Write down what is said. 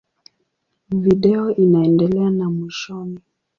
Video inaendelea na mwishoni.